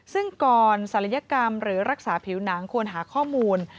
ซึ่งก่อนศัลยกรรมหรือรักษาผิวหนังควรหาข้อมูล